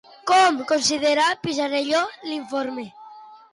Com considera Pisarello l'informe?